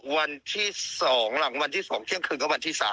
วันที่สองหลังวันที่สองเที่ยงคืนก็วันที่สาม